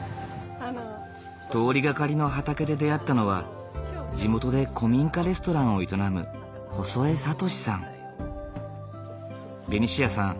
通りがかりの畑で出会ったのは地元で古民家レストランを営むベニシアさん